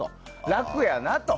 楽やなと。